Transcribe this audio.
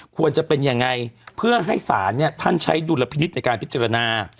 ควรจะเป็นยังไงเพื่อให้ศาลเนี่ยท่านใช้ดุลพินิษฐ์ในการพิจารณา